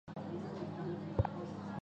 两侧兴建不少贵族豪宅府邸。